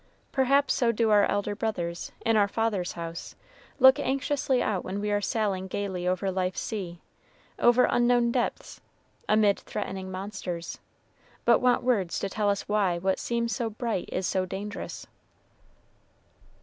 Perhaps so do our elder brothers, in our Father's house, look anxiously out when we are sailing gayly over life's sea, over unknown depths, amid threatening monsters, but want words to tell us why what seems so bright is so dangerous.